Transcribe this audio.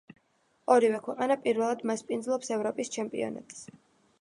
ორივე ქვეყანა პირველად მასპინძლობს ევროპის ჩემპიონატს.